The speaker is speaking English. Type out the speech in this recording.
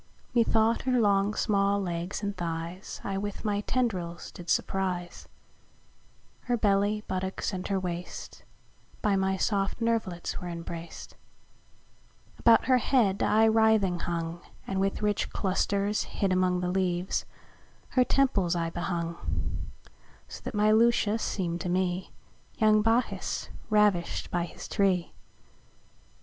Me thought, her long small legs & thighs I with my Tendrils did surprize; Her Belly, Buttocks, and her Waste By my soft Nerv'lits were embrac'd: About her head I writhing hung, And with rich clusters (hid among The leaves) her temples I behung: So that my Lucia seem'd to me Young Bacchus ravished by his tree.